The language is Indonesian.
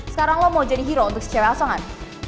sekarang lo mau jadi hero untuk si cewek aso kan